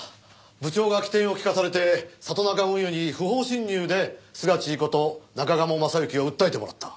部長が機転を利かされて里中運輸に不法侵入でスガチーこと中鴨昌行を訴えてもらった。